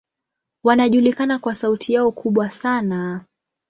Wanajulikana kwa sauti yao kubwa sana.